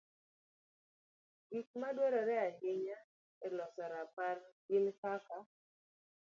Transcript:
Gik ma dwarore ahinya e loso rapar gin kaka: